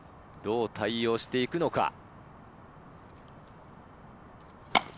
どう対応して行くのか。